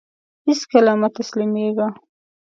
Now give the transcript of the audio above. هيڅکله مه تسلميږه !